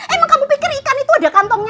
emang kamu pikir ikan itu ada kantongnya